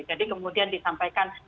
jadi kemudian disampaikan